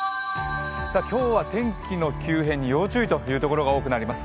今日は天気の急変に要注意というところが多くなりそうです。